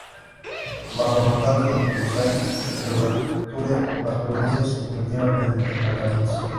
Bajo el mandato de Toussaint Louverture, las provincias se convirtieron en departamentos.